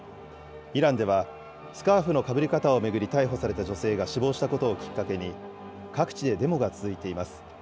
イランでは、スカーフのかぶり方を巡り逮捕された女性が死亡したことをきっかけに、各地でデモが続いています。